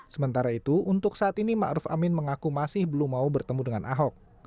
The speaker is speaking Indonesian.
sementara itu untuk saat ini ma'ruf amin mengaku masih belum mau bertemu dengan ahok